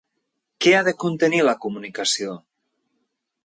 Què ha de contenir la Comunicació?